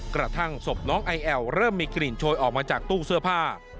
กระทั่งศพน้องไอแอวเริ่มมีกลิ่นโชยออกมาจากตู้เสื้อผ้า